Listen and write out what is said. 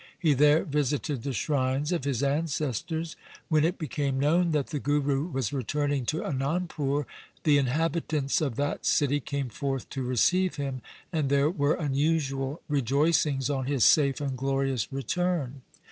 He there visited the shrines of his ancestors. When it became known that the Guru was returning to Anandpur, the inhabitants of that city came forth to receive him, and there were unusual rejoicings on his safe and glorious return.